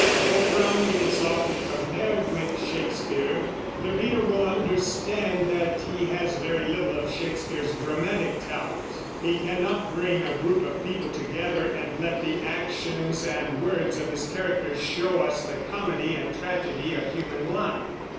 Though Browning is often compared with Shakespeare, the reader will understand that he has very little of Shakespeare's dramatic talent. He cannot bring a group of people together and let the actions and words of his characters show us the comedy and tragedy of human life.